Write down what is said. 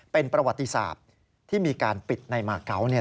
เป็นประวัติศาสตร์ที่มีการปิดในมาเกาะ